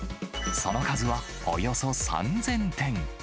その数はおよそ３０００点。